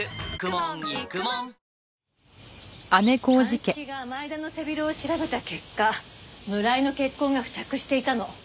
鑑識が前田の背広を調べた結果村井の血痕が付着していたの。